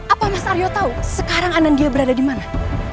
apa mas aryo tau sekarang anandia berada dimana